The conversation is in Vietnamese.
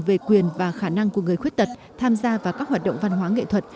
về quyền và khả năng của người khuyết tật tham gia vào các hoạt động văn hóa nghệ thuật